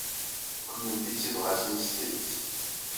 Kennemti d tibɣasin s tidet.